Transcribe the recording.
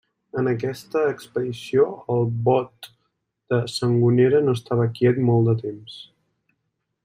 En aquesta expedició, el bot de Sangonera no estava quiet molt de temps.